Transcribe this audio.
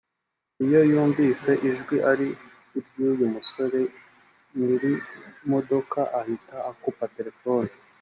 iyo yumvise ijwi ari iry’uyu musore nyir’imodoka ahita akupa telephone